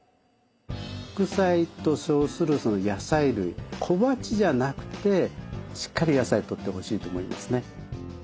副菜と称する野菜類小鉢じゃなくてしっかり野菜とってほしいと思いますね。